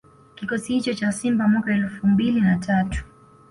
Kikosi hicho cha Simba mwaka elfu mbili na tatu